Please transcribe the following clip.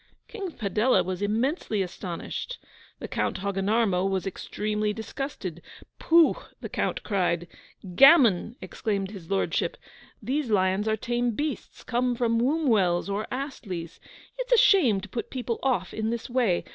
King Padella was immensely astonished. The Count Hogginarmo was extremely disgusted. 'Pooh!' the Count cried. 'Gammon!' exclaimed his Lordship.' These lions are tame beasts come from Wombwell's or Astley's. It is a shame to put people off in this way.